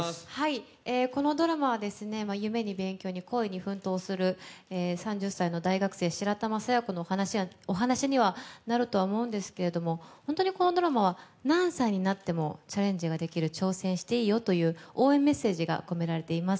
このドラマは夢に勉強に、恋に奮闘する３０歳の大学生・白玉佐弥子のお話にはなると思うんですけど、このドラマは何歳になってもチャレンジができる、挑戦していいよという、応援メッセージが込められています。